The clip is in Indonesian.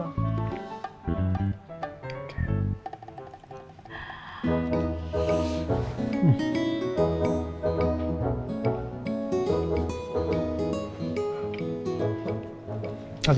coba in satu aja